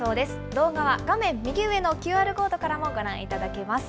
動画は画面右上のＱＲコードからもご覧いただけます。